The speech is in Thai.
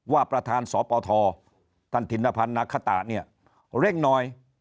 ว่าประธานสปทท่านถินภัณฑ์นาคตะเร่งนอย